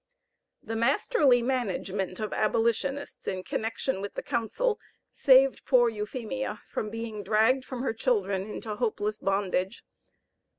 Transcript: The masterly management of abolitionists in connection with the counsel, saved poor Euphemia from being dragged from her children into hopeless bondage.